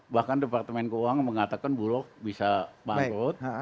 bahkan departemen keuangan mengatakan bulog bisa bangkrut